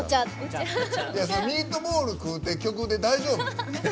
ミートボール食うて曲で大丈夫？